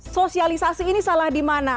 sosialisasi ini salah di mana